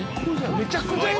めちゃくちゃいる！